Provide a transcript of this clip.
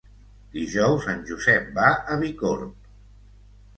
Dijous en Josep va a Bicorb.